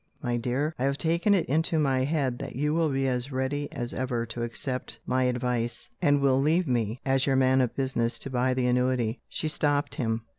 My dear, I have taken it into my head that you will be as ready as ever to accept my advice, and will leave me (as your man of business) to buy the annuity" She stopped him.